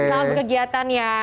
selamat berkegiatan ya